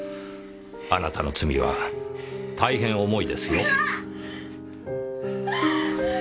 あなたの罪は大変重いですよ。